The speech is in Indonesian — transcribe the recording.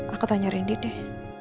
aku tanya rindy deh